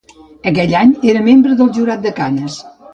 Aquell any era membre del jurat de Canes.